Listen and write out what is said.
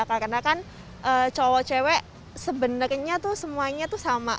karena kan cowok cewek sebenarnya tuh semuanya tuh sama